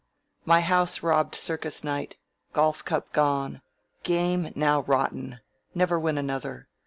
My house robbed circus night. Golf cup gone. Game now rotten: never win another.